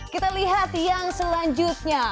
kita lihat yang selanjutnya